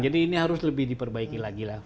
jadi ini harus lebih diperbaiki lagi lah